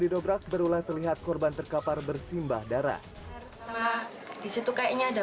didobrak berulang terlihat korban terkapar bersimbah darah disitu kayaknya ada